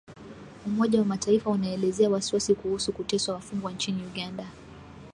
Umoja wa mataifa unaelezea wasiwasi kuhusu kuteswa wafungwa nchini Uganda